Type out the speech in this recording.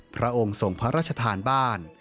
พระองค์ส่งพระราชทานบ้าน